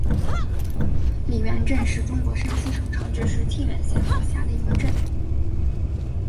李元镇是中国山西省长治市沁源县所辖的一个镇。